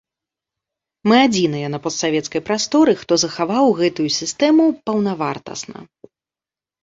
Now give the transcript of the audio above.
Мы адзіныя на постсавецкай прасторы, хто захаваў гэтую сістэму паўнавартасна.